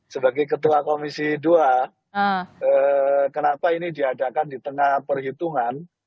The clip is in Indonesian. sebagai ketua komisi dua kenapa ini diadakan di tengah perhitungan